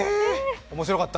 面白かった。